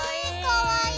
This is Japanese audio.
かわいい！